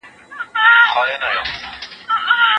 ټينګه اراده غره سوری کوي.